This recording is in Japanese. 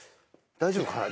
大丈夫かな？